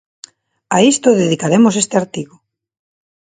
A isto dedicaremos este artigo.